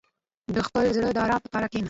• د خپل زړه د آرام لپاره کښېنه.